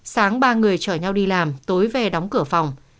sáng ba người chở nhau đi làm tối về đóng cửa phòng